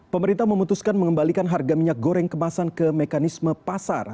pemerintah memutuskan mengembalikan harga minyak goreng kemasan ke mekanisme pasar